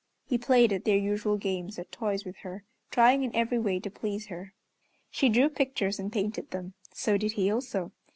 He played at their usual games at toys with her, trying in every way to please her. She drew pictures and painted them, so did he also.